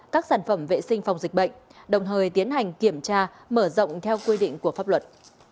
các sản phẩm vệ sinh phòng dịch bệnh đồng thời tiến hành kiểm tra mở rộng theo quy định của pháp luật